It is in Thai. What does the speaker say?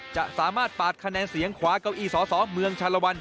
จะสามารถปาดคะแนนเสียงขวาเก้าอี้สสเมืองชาลวัน